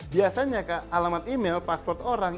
biasanya alamat email pasport orang